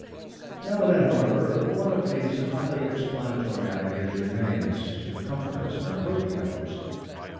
Now and then, however, one of these highly explanatory ideas remains to comfort us in our waking hours.